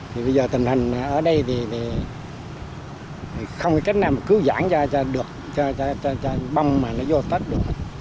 thì bây giờ tình hình ở đây thì không có cách nào cứu giãn cho bông mà nó vô tất được